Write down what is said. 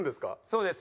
そうです。